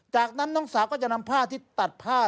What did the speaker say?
จากนั้นน้องสาวก็จะนำผ้าที่ตัดผ้า